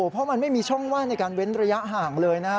เพราะมันไม่มีช่องว่างในการเว้นระยะห่างเลยนะครับ